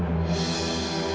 kamilah nggak jahat